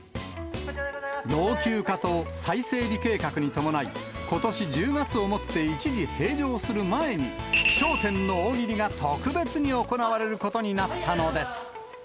老朽化と再整備計画に伴い、ことし１０月をもって一時閉場する前に、笑点の大喜利が特別に行われることになったのです。